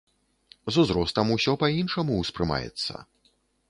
З узростам усё па-іншаму ўспрымаецца.